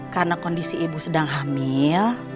karena kondisi ibu sedang hamil